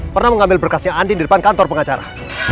pernah mengambil berkasnya andi di depan kantor pengacara